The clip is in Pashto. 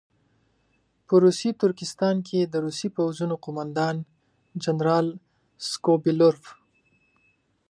په روسي ترکستان کې د روسي پوځونو قوماندان جنرال سکوبیلروف.